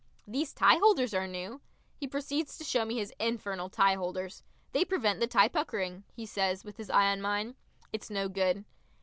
"These tie holders are new." He proceeds to show me his infernal tie holders. "They prevent the tie puckering," he says with his eye on mine. It's no good.